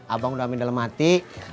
abang udah ambil dalam hati